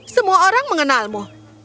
semua orang mengenalmu